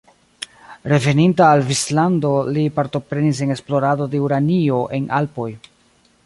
Reveninta al Svislando li partoprenis en esplorado de uranio en Alpoj.